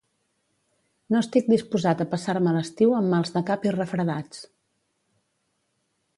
No estic disposat a passar-me l'estiu amb mals de cap i refredats